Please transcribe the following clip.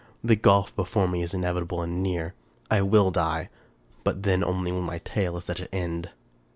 The gulf before me is inevitable and near. I will die, but then only when my tale is at an end.